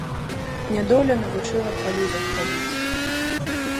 Нядоля навучыла па людзях хадзіць.